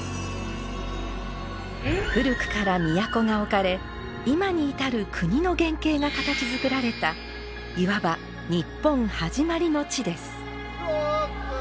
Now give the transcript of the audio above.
古くから都が置かれ今に至る国の原型が形づくられたいわば六根清浄。